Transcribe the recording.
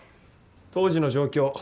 当時の状況